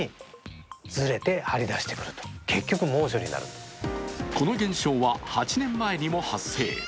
だが、今年はこの現象は８年前にも発生。